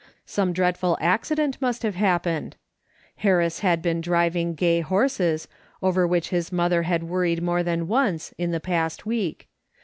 Some dreadful accident must have happened. Harris had been driving gay horses, over which his mother had worried more than once, in the past week.